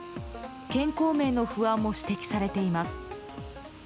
健康面の不安も指摘されています。